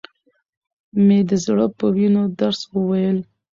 مې د زړه په وينو درس وويل.